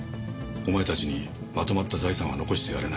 お前たちにまとまった財産は残してやれない。